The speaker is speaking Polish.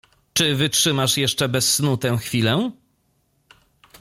Czy wytrzymasz jeszcze bez snu tę chwilę?